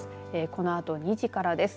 このあと２時からです。